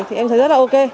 thì em thấy rất là ok